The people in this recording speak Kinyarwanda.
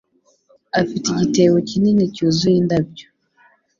Afite igitebo kinini cyuzuye indabyo.